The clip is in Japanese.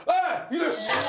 よし！